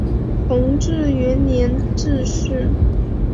弘治元年致仕。